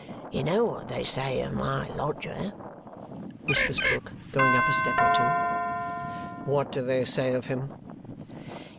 You know what they say of my lodger?" whispers Krook, going up a step or two. "What do they say of him?"